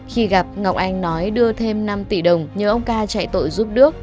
khi gặp ngọc anh nói đưa thêm năm tỷ đồng nhờ ông ca chạy tội giúp đước